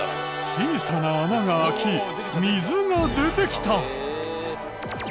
小さな穴が開き水が出てきた。